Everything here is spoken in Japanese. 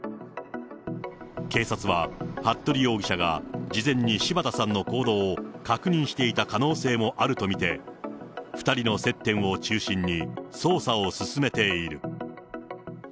警察は服部容疑者が、事前に柴田さんの行動を確認していた可能性もあると見て、２人の接点を中心に、捜査を進めている。